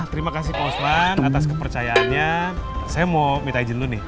terima kasih pak usman atas kepercayaannya saya mau minta izin dulu nih